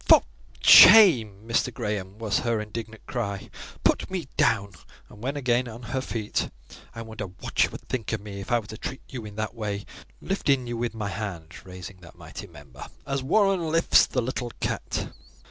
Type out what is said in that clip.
"For shame, Mr. Graham!" was her indignant cry, "put me down!"—and when again on her feet, "I wonder what you would think of me if I were to treat you in that way, lifting you with my hand" (raising that mighty member) "as Warren lifts the little cat."